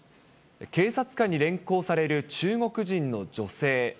警察官に連行される中国人の女性。